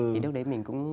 thì lúc đấy mình cũng